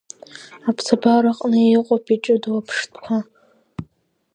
Аԥсабара аҟны иҟоуп иҷыдоу аԥштәқәа.